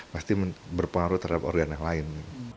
pasti berpengaruh terhadap organ yang lain